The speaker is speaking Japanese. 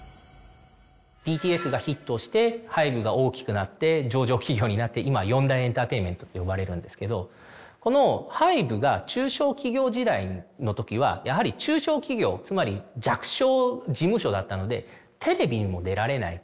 ＢＴＳがヒットしてＨＹＢＥが大きくなって上場企業になって今４大エンターテインメントと呼ばれるんですけどこのハイブが中小企業時代の時はやはり中小企業つまり弱小事務所だったのでテレビにも出られない。